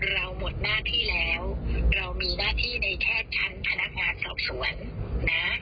เราหมดหน้าที่แล้วเรามีหน้าที่ในแพทย์ชั้นพนักงานสอบสวนนะ